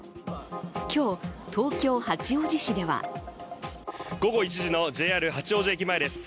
今日、東京・八王子市では午後１時のＪＲ八王子駅前です。